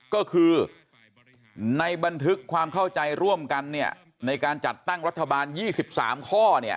ก็คือในบันทึกความเข้าใจร่วมกันในการจัดตั้งรัฐบาล๒๓ข้อ